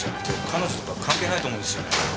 彼女とか関係ないと思うんですよね。